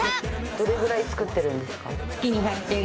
どれぐらい作ってるんですか？